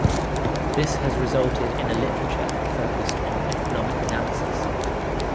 This has resulted in a literature focussed on economic analysis.